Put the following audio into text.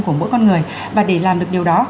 của mỗi con người và để làm được điều đó